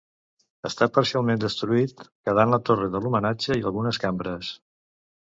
Està parcialment destruït quedant la torre de l'homenatge i algunes cambres.